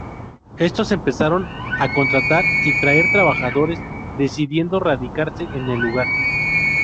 Estos empezaron a contratar y traer trabajadores, decidiendo radicarse en el lugar.